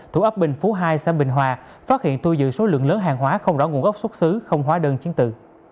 thủ ấp bình phú hai xã bình hòa phát hiện tui dự số lượng lớn hàng hóa không rõ nguồn ốc xuất xứ không hóa đơn chiến tự